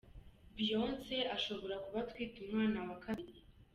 Beyonce ashobora kuba atwite umwana wa kabiri.